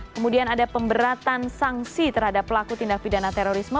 kemudian ada pemberatan sanksi terhadap pelaku tindak pidana terorisme